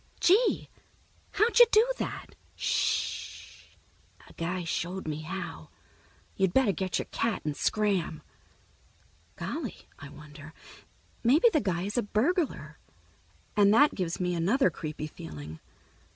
"Gee, how'd you do that?" "Sh h h. A guy showed me how. You better get your cat and scram." Golly, I wonder, maybe the guy is a burglar, and that gives me another creepy feeling.